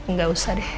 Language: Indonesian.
nggak usah deh